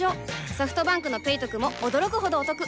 ソフトバンクの「ペイトク」も驚くほどおトク